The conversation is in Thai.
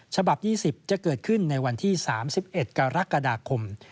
ฉบับ๒๐จะเกิดขึ้นในวันที่๓๑กรกฎาคม